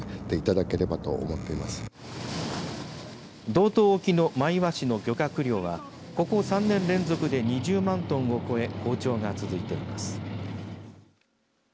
道東沖のマイワシの漁獲量はここ３年連続で２０万トンを超え好調が続いています。